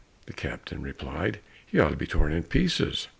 The captain replied, "He ought to be torn in pieces."